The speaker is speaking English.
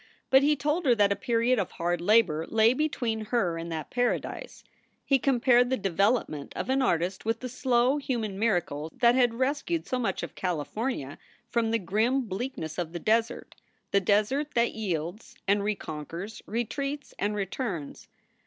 But he told her that a period of hard labor lay between her and that paradise. He compared the development of an artist with the slow human miracle that had rescued so much of California from the grim bleakness of the desert, the desert that yields and reconquers, retreats and returns.